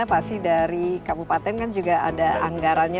pasti dari kabupaten kan juga ada anggarannya